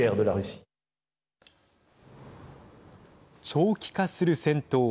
長期化する戦闘。